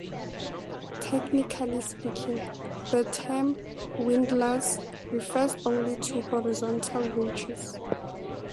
Technically speaking, the term "windlass" refers only to horizontal winches.